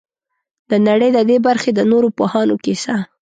د نړۍ د دې برخې د نورو پوهانو کیسه.